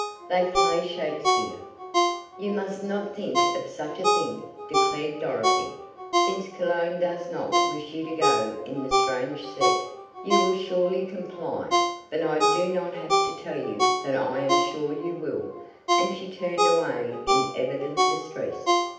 They play Shakespeare." "You must not think of such a thing," declared Dorothy. "Since Cologne does not wish you to go in the strange set, you will surely comply, but I do not have to tell you that I am sure you will," and she turned away in evident distress.